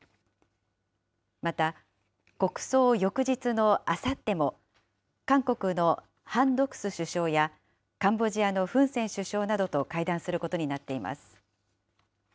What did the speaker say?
また、国葬翌日のあさっても、韓国のハン・ドクス首相やカンボジアのフン・セン首相などと会談することになっています。